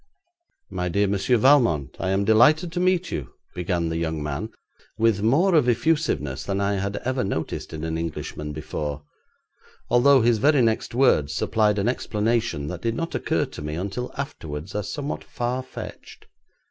'My dear Monsieur Valmont, I am delighted to meet you,' began the young man with more of effusiveness than I had ever noticed in an Englishman before, although his very next words supplied an explanation that did not occur to me until afterwards as somewhat far fetched.